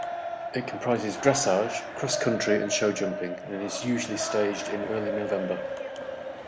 It comprises dressage, cross-country and show-jumping and is usually staged in early November.